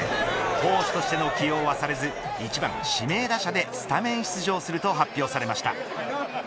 投手としての起用はされず１番指名打者でスタメン出場すると発表されました。